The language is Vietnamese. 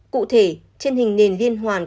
cụ thể trên hình nền liên hoàn